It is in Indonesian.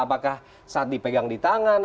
apakah saat dipegang di tangan